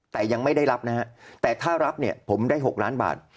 แต่ยังไม่ได้รับนะฮะแต่ถ้ารับเนี่ยผมได้๖ล้านบาท